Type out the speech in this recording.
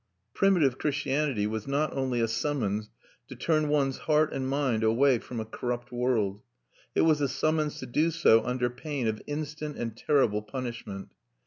Primitive Christianity was not only a summons to turn one's heart and mind away from a corrupt world; it was a summons to do so under pain of instant and terrible punishment.